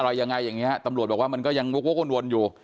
อย่างนี้ฮะตำรวจบอกว่ามันก็ยังโว๊ควนอยู่